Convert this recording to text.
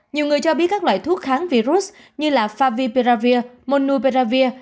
nhiều người cho biết các loại thuốc kháng virus như favipiravir monupiravir